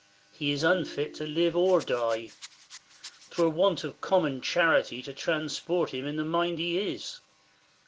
He is unfit to live or die. 'Twere Avant Of common charity to transport him In the mind he is.